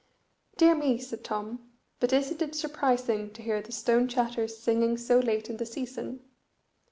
"Dear me," said Tom, "but isn't it surprising to hear the stone chatters singing so late in the season?"